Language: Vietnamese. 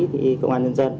thì công an nhân dân